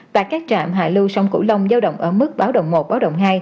và các trạm hạ lưu sông cửu long giao động ở mức báo động một báo động hai